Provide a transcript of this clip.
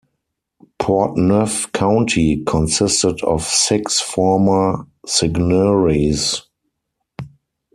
Portneuf County consisted of six former seigneuries.